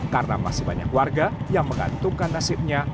karena masih banyak warga yang mengantungkan nasibnya